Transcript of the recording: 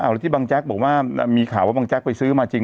แล้วที่บางแจ๊กบอกว่ามีข่าวว่าบางแจ๊กไปซื้อมาจริง